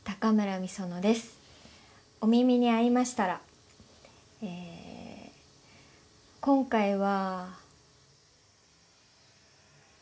『お耳に合いましたら。』え今回は。